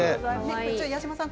八嶋さん